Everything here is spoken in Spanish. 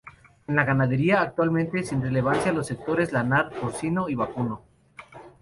En la ganadería, actualmente sin relevancia, los sectores lanar, porcino y vacuno.